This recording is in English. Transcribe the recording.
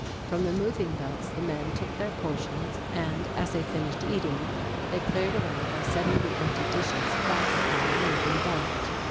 From the moving belts the men took their portions, and, as they finished eating, they cleared away by setting the empty dishes back upon the moving belt.